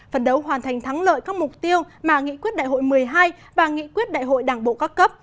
phần đấu hoàn thành thắng lợi các mục tiêu mà nghị quyết đại hội một mươi hai và nghị quyết đại hội đảng bộ các cấp